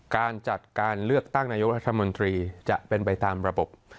การจัดการเลือกตั้งนายกรัฐมนตรีจะเป็นไปตามระบบ